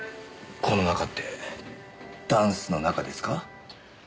この中ってダンスの中ですか？